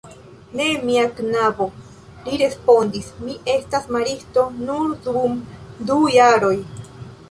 Ne, mia knabo, li respondis, mi estas maristo nur dum du jaroj.